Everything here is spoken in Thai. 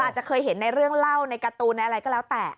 อาจจะเคยเห็นในเรื่องเล่าในการ์ตูนในอะไรก็แล้วแต่